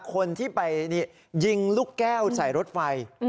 คนที่ไปยิงลูกแก้วใส่รถไฟ